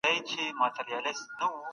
څه شی بهرنۍ پانګونه له لوی ګواښ سره مخ کوي؟